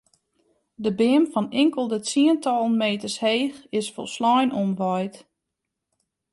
De beam fan inkelde tsientallen meters heech is folslein omwaaid.